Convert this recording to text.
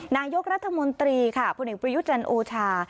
นายกรัฐมนตรีพุนิกปริยุจันทร์โอชา